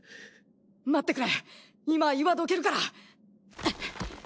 待ってくれ今岩どけるから。